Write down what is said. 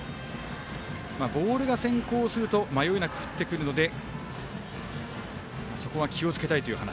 ボールが先行すると迷いなく振ってくるのでそこは気をつけたいという話。